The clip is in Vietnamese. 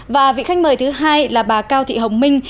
và vị khách mời thứ hai là bà cao thị hồng minh